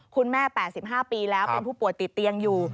คุณแม่๘๕ปีแล้วเป็นผู้ป่วยติดเตียงอยู่